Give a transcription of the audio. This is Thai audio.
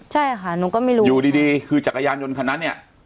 ใช่ค่ะหนูก็ไม่รู้อยู่ดีดีคือจักรยานยนต์คันนั้นเนี่ย